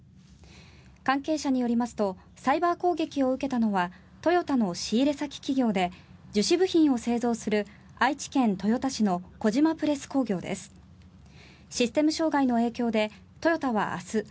関係者によりますとサイバー攻撃を受けたのはトヨタの仕入れ先企業で樹脂部品を製造する愛知県豊田市の小島プレス工業です。